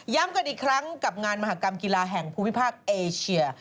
กันอีกครั้งกับงานมหากรรมกีฬาแห่งภูมิภาคเอเชีย